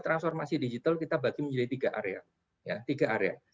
transformasi digital kita bagi menjadi tiga area